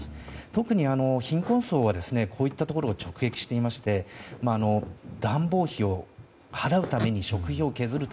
特に貧困層はこういったところで直撃していまして暖房費を払うために食費を削る。